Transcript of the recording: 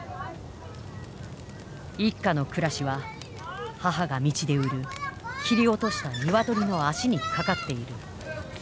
一家の暮らしは母が道で売る切り落とした鶏の足にかかっている。